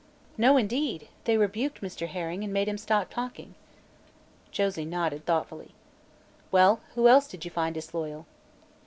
"No, indeed; they rebuked Mr. Herring and made him stop talking." Josie nodded, thoughtfully. "Well, who else did you find disloyal?"